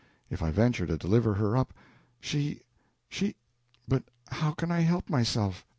If I venture to deliver her up, she she but how can I help myself?